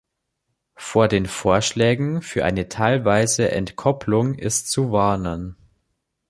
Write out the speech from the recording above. Vor den Vorschlägen für eine teilweise Entkoppelung ist zu warnen!